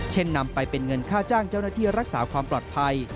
นำไปเป็นเงินค่าจ้างเจ้าหน้าที่รักษาความปลอดภัย